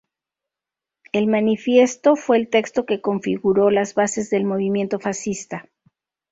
El manifiesto fue el texto que configuró las bases del movimiento fascista.